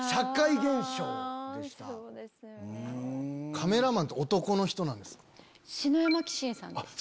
カメラマンって男の人なんですか？